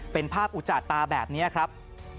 เป็นภาพอุจจาตาแบบนี้ครับ